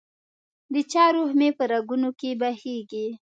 دچا روح مي په رګونو کي بهیږي